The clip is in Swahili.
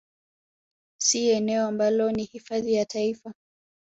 Si eneo ambalo ni Hifadhi ya taifa